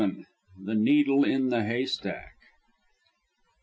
THE NEEDLE IN THE HAYSTACK.